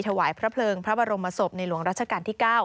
ถวายพระเพลิงพระบรมศพในหลวงรัชกาลที่๙